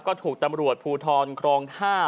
ก็ถูกตำรวจภูทรครอง๕